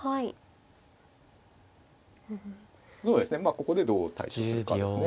ここでどう対処するかですね。